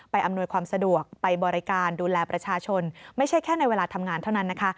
อำนวยความสะดวกไปบริการดูแลประชาชนไม่ใช่แค่ในเวลาทำงานเท่านั้นนะคะ